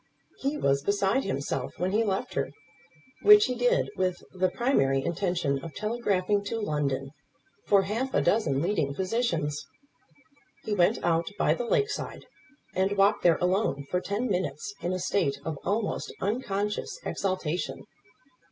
He was beside himself when he left her, which he did with the primary intention of telegraphing to London for half a dozen leading physicians. He went out by the lake side, and walked there alone for ten minutes in a state of almost unconscious exaltation.